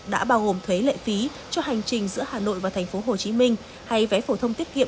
đã bao gồm thuế lệ phí cho hành trình giữa hà nội và tp hcm hay vé phổ thông tiết kiệm